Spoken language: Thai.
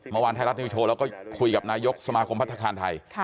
เมื่อวานไทยรัฐนิวโชว์เราก็คุยกับนายกสมาคมพัฒนาคารไทย